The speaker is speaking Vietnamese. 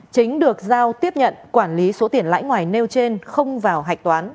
chính được giao tiếp nhận quản lý số tiền lãi ngoài nêu trên không vào hạch toán